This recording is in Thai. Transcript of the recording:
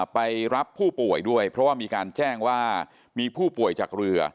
ไปรับผู้ป่วยด้วยเพราะว่ามีการแจ้งว่ามีผู้ป่วยจากเรือ